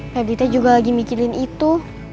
febitnya juga lagi mikirin itu